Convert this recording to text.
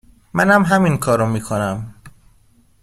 منم همینکارو میکنم